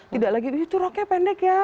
tidak lagi itu roknya pendek ya